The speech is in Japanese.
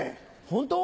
本当？